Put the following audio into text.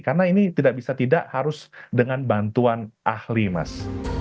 karena ini tidak bisa tidak harus dengan bantuan ahli mas